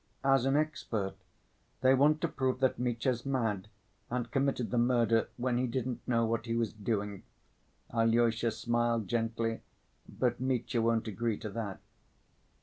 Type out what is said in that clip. "As an expert. They want to prove that Mitya's mad and committed the murder when he didn't know what he was doing"; Alyosha smiled gently; "but Mitya won't agree to that."